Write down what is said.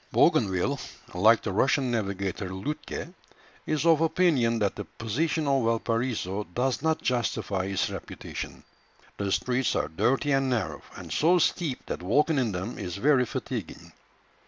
Bougainville, like the Russian navigator Lütke, is of opinion that the position of Valparaiso does not justify its reputation. The streets are dirty and narrow, and so steep that walking in them is very fatiguing.